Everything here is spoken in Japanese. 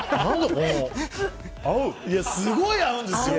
すごい合うんですよ。